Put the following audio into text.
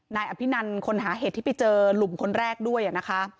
นายอภินันคนหาเห็ดที่ไปเจอหลุมคนแรกด้วยนะคะ